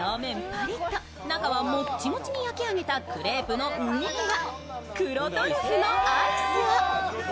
パリッと中はもっちもちに焼き上げたクレープの上には黒トリュフのアイスを。